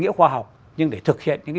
nghĩa khoa học nhưng để thực hiện những